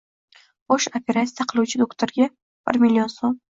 Xo`sh, operasiya qiluvchi doktorga bir million so`m